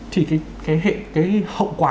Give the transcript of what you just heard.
thì cái hệ hậu quả